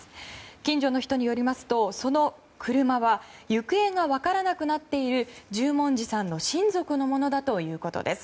近所の人によりますとその車は行方が分からなくなっている十文字さんの親族のものだということです。